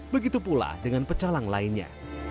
begitu pula dengan pecalang lainnya